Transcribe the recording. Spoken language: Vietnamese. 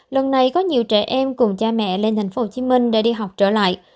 lần này có nhiều trẻ em cùng cha mẹ lên tp hcm để đi học trở lại